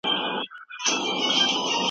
د ښځو معاش د نارینه و په پرتله کم و.